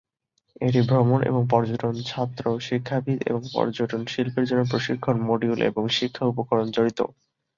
এটি ভ্রমণ এবং পর্যটন ছাত্র, শিক্ষাবিদ এবং পর্যটন শিল্পের জন্য প্রশিক্ষণ মডিউল এবং শিক্ষা উপকরণ জড়িত।